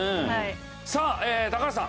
さあ高橋さん。